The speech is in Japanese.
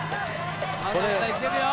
まだまだいけるよ。